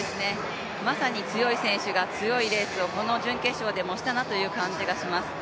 まさに強い選手が強いレースを、この準決勝でもしたなという感じがします。